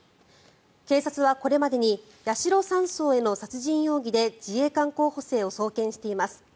警察はこれまでに八代３曹への殺人容疑で自衛官候補生を送検しています。